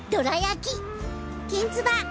きんつば！